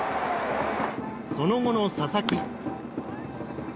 その後の佐々木。